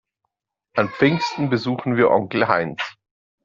An Pfingsten besuchen wir Onkel Heinz.